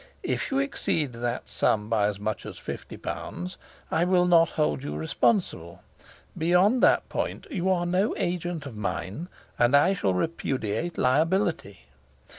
If you exceed that sum by as much as fifty pounds, I will not hold you responsible; beyond that point you are no agent of mine, and I shall repudiate liability.